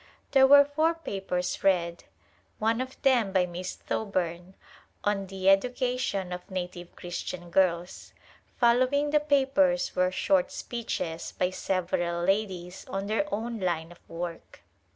There were four papers read ; one of them by Miss Thoburn, on The Education of Native Christian Girls ; following the papers were short speeches by several ladies on their own line of work.